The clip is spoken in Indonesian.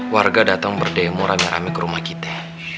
warga datang berdemo rame rame ke rumah kita